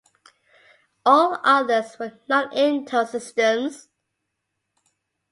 All others were non-Intel systems.